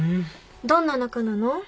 どんな仲なの？